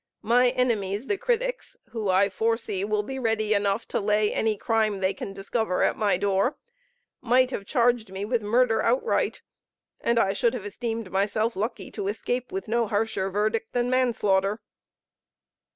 My enemies, the critics, who I foresee will be ready enough to lay any crime they can discover at my door, might have charged me with murder outright; and I should have esteemed myself lucky to escape with no harsher verdict than manslaughter!